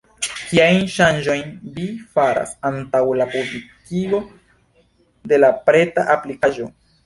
Kiajn ŝanĝojn vi faras antaŭ la publikigo de la preta aplikaĵo?